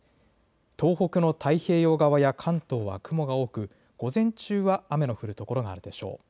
東北の太平洋側や関東は雲が多く午前中は雨の降る所があるでしょう。